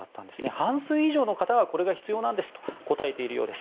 半数上の方がこれが必要と答えているようです。